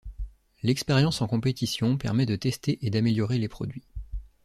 L'expérience en compétition permet de tester et d'améliorer les produits.